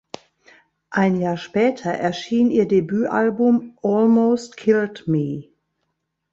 Ein Jahr später erschien ihr Debütalbum "Almost Killed Me".